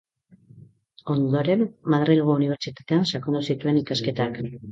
Ondoren Madrilgo Unibertsitatean sakondu zituen ikasketak.